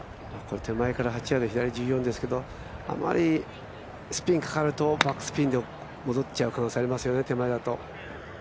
手前から８ヤード、右から１４ですけれどもあまりスピンかかるとバックスピンで戻っちゃう可能性ありますよね、手前だと。